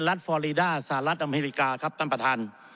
ฟอรีด้าสหรัฐอเมริกาครับท่านประธาน